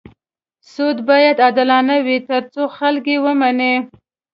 سود باید عادلانه وي تر څو خلک یې ومني.